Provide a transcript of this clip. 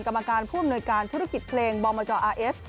กรรมการผู้อำนวยการธุรกิจเพลงบอมจอาร์เอส